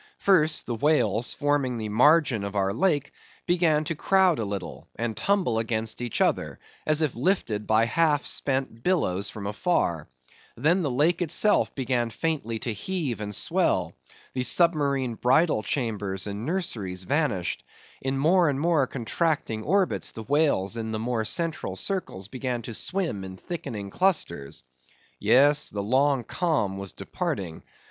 First, the whales forming the margin of our lake began to crowd a little, and tumble against each other, as if lifted by half spent billows from afar; then the lake itself began faintly to heave and swell; the submarine bridal chambers and nurseries vanished; in more and more contracting orbits the whales in the more central circles began to swim in thickening clusters. Yes, the long calm was departing.